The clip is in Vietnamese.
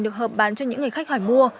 được hợp bán cho những người khách hỏi mua